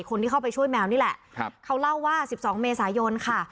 คนที่เข้าไปช่วยแมวนี่แหละครับเขาเล่าว่า๑๒เมษายนค่ะ